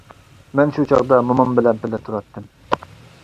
مەن شۇ چاغدا مومام بىلەن بىللە تۇراتتىم.